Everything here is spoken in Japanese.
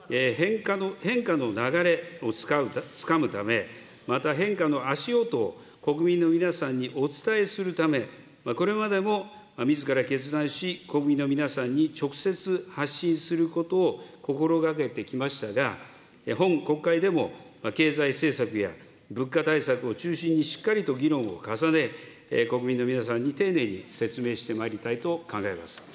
変化の流れをつかむため、また、変化の足音を国民の皆さんにお伝えするため、これまでもみずから決断し、国民の皆さんに直接発信することを心がけてきましたが、本国会でも、経済政策や物価対策を中心にしっかりと議論を重ね、国民の皆さんに丁寧に説明してまいりたいと考えます。